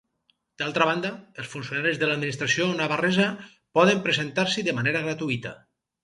D'altra banda, els funcionaris de l'administració navarresa poden presentar-s'hi de manera gratuïta.